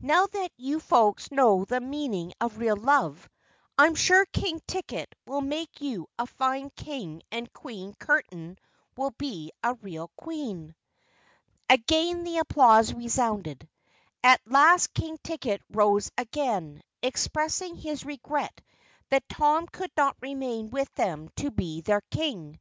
Now that you folks know the meaning of real love, I'm sure King Ticket will make you a fine King and Queen Curtain will be a real Queen." Again the applause resounded. At last King Ticket rose again, expressing his regret that Tom could not remain with them to be their King.